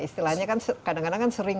istilahnya kan kadang kadang kan sering